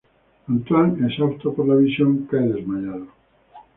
Antoine, exhausto por la visión, cae desmayado.